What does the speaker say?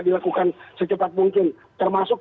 dilakukan secepat mungkin termasuk